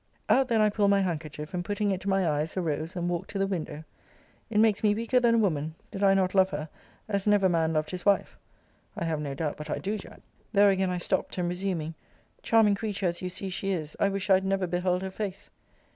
Out then I pulled my handkerchief, and putting it to my eyes, arose, and walked to the window It makes me weaker than a woman, did I not love her, as never man loved his wife! [I have no doubt but I do, Jack.] There again I stopt; and resuming Charming creature, as you see she is, I wish I had never beheld her face!